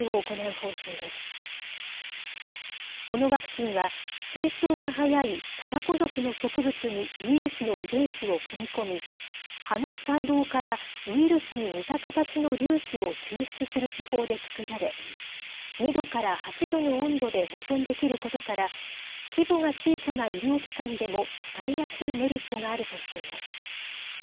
このワクチンは、成長が早いタバコ属の植物にウイルスの遺伝子を組み込み、葉の細胞からウイルスに似た形の粒子を抽出する手法で作られ、２度から８度の温度で保存できることから、規模が小さな医療機関でも使いやすいメリットがあるとしています。